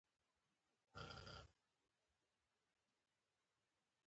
د خوراکي توکو کوچنۍ فابریکې په کابل کې شته.